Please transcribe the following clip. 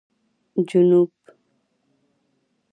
جنوب